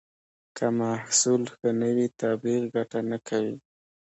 که محصول ښه نه وي، تبلیغ ګټه نه کوي.